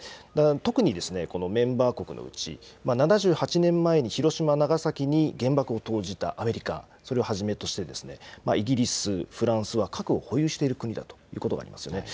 特に、メンバー国のうち７８年前に広島、長崎に原爆を投じたアメリカ、それをはじめとして、イギリス、フランスは核を保有している国だということがありますよね。